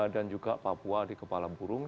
dan juga papua di kepala burung